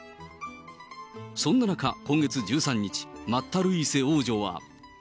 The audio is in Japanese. そんな中、今月１３日、マッタ・ルイーセ王女は。